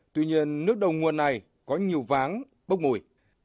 tuy nhiên nước đầu nguồn này có nhiều váng bốc mùi